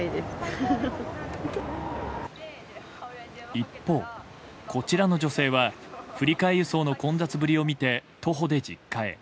一方、こちらの女性は振り替え輸送の混雑ぶりを見て徒歩で実家へ。